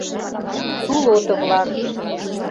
ТУЛОТО-ВЛАК